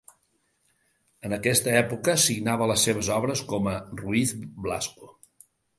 En aquesta època, signava les seves obres com a Ruiz Blasco.